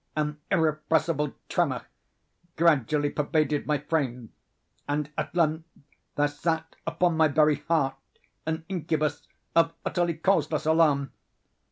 An irrepressible tremor gradually pervaded my frame; and, at length, there sat upon my very heart an incubus of utterly causeless alarm.